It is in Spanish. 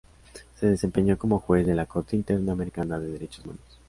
Se desempeñó como Juez de la Corte Interamericana de Derechos Humanos.